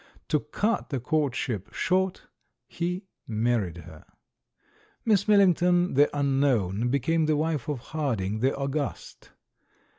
To cut the courtship short, he married her. Miss Milhngton, the unknown, be came the wife of Harding, the august.